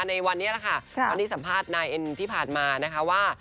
ในวันนี้แหละค่ะวันที่สัมภาษณ์นายเอ็นที่ผ่านมานะคะว่า